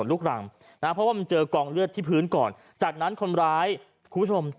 ลูกรังนะเพราะว่ามันเจอกองเลือดที่พื้นก่อนจากนั้นคนร้ายคุณผู้ชม